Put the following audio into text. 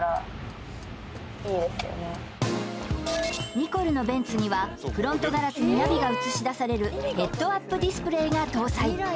ニコルのベンツにはフロントガラスにナビが映し出されるヘッドアップディスプレイが搭載